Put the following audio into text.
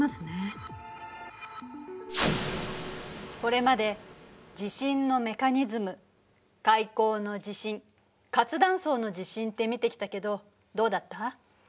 これまで地震のメカニズム海溝の地震活断層の地震って見てきたけどどうだった？